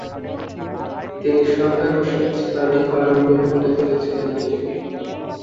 তিনি সাঁতার ও শীতস্নানে পারঙ্গম করে তুলেছিলেন নিজেকে।